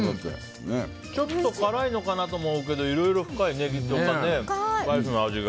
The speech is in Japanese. ちょっと辛いのかなと思うけどいろいろ深いネギとか、スパイスの味が。